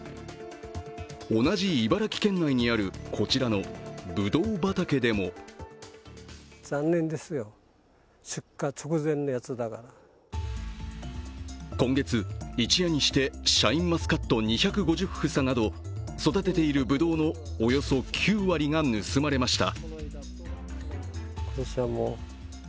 同じ茨城県内にあるこちらのぶどう畑でも今月、一夜にしてシャインマスカット２５０房など育てているぶどうのおよそ９割が盗まれました